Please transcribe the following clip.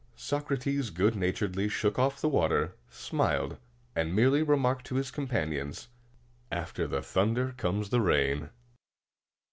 Socrates good naturedly shook off the water, smiled, and merely remarked to his companions, "After the thunder comes the rain."